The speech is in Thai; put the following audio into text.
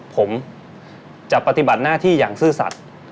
ผมจะปฏิบัติหน้าที่อย่างซื่อสัตว์